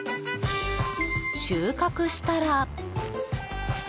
収穫したら。